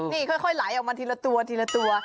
นี่ค่อยไหลออกมาทีละตัว